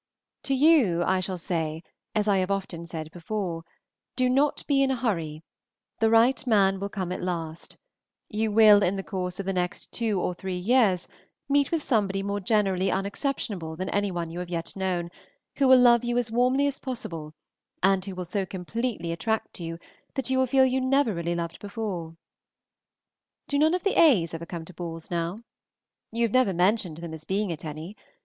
To you I shall say, as I have often said before, Do not be in a hurry, the right man will come at last; you will in the course of the next two or three years meet with somebody more generally unexceptionable than any one you have yet known, who will love you as warmly as possible, and who will so completely attract you that you will feel you never really loved before. Do none of the A.'s ever come to balls now? You have never mentioned them as being at any.